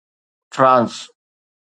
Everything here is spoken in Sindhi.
فرانس